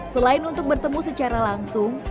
selain untuk bertemu secara langsung